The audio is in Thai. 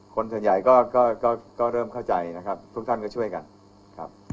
คนส่วนใหญ่ก็เริ่มเข้าใจนะครับทุกท่านก็ช่วยกันครับ